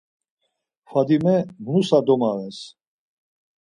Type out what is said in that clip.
Fadime nusa domaves.